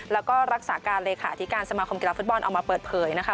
แล้วก็รักษาการเลขาธิการสมาคมกีฬาฟุตบอลเอามาเปิดเผยนะคะ